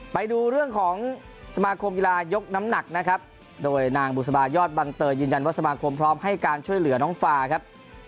ไปดูเรื่องของสมาคมกีฬายกน้ำหนักนะครับโดยนางบุษบายอดบังเตยยืนยันว่าสมาคมพร้อมให้การช่วยเหลือน้องฟาครับ